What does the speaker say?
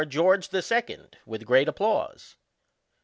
George the Second, with great applause.